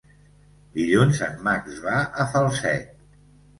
Dilluns en Max va a Falset.